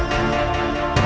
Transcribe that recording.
dan setelah itu